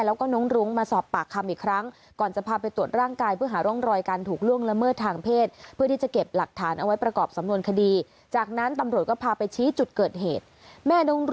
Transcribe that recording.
แล้วก็น้องรุ่งมาสอบปากคำอีกครั้ง